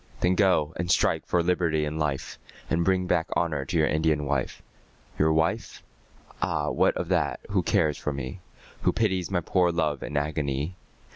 Then go and strike for liberty and life, And bring back honour to your Indian wife. Your wife? Ah, what of that, who cares for me? Who pities my poor love and agony?